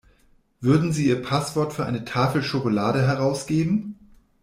Würden Sie Ihr Passwort für eine Tafel Schokolade herausgeben?